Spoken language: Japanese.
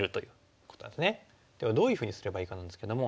ではどういうふうにすればいいかなんですけども。